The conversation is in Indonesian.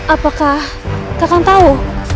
apakah kakam tahu